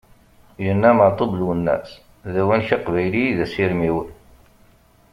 Yenna Meɛtub Lwennas: "d awanek aqbayli i d asirem-iw!"